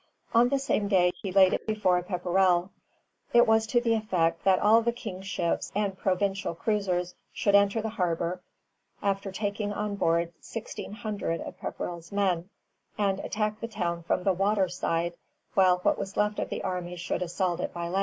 On the same day he laid it before Pepperrell. It was to the effect that all the king's ships and provincial cruisers should enter the harbor, after taking on board sixteen hundred of Pepperrell's men, and attack the town from the water side, while what was left of the army should assault it by land.